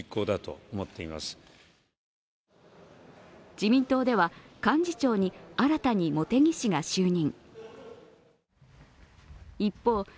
自民党では幹事長に新たに茂木氏が就任。